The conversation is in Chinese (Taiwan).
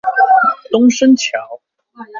東昇橋